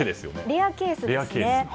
レアケースですね。